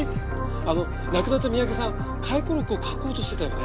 あの亡くなった三宅さん回顧録を書こうとしてたよね？